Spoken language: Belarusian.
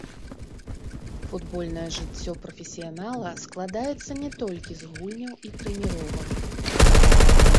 Футбольнае жыццё прафесіянала складаецца не толькі з гульняў і трэніровак.